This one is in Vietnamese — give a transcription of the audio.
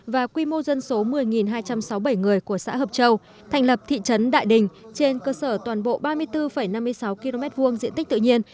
và quy mô dân số một mươi hai trăm sáu mươi bảy người của xã hợp châu thành lập thị trấn đại đình trên cơ sở toàn bộ ba mươi bốn năm mươi sáu km hai diện tích tự nhiên